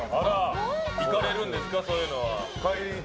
行かれるんですかそういうのは。